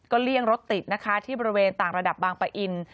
เลี่ยงรถติดนะคะที่บริเวณต่างระดับบางปะอิน